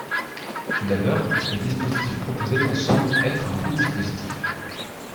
Tout d’abord, le dispositif proposé me semble être un bon dispositif.